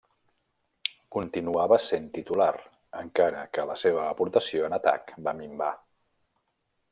Continuava sent titular, encara que la seva aportació en atac va minvar.